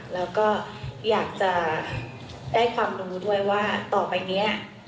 แล้วก็อยากจะได้ความรู้ด้วยว่าต่อไปนี้